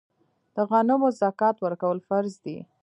د غنمو زکات ورکول فرض دي.